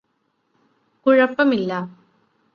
കുഴപ്പമില്ല.